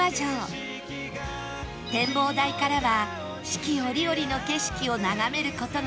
展望台からは四季折々の景色を眺める事ができ